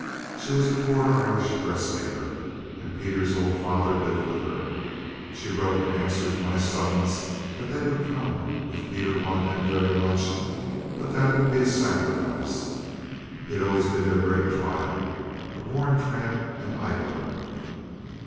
She was a poor Irish dressmaker, and Peter's old father lived with her. She wrote in answer to my summons that they would come, if Peter wanted them very much, but that it would be a sacrifice. He had always been their great trial a born tramp and idler.